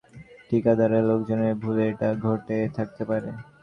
তবে প্রাথমিকভাবে মনে হচ্ছে ঠিকাদারের লোকজনের ভুলে এটা ঘটে থাকতে পারে।